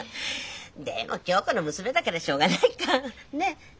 でも響子の娘だからしょうがないか。ね。